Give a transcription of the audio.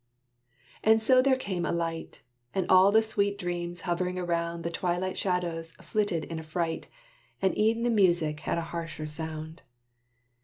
And so there came a light, And all the sweet dreams hovering around The twilight shadows flitted in affright: And e'en the music had a harsher sound.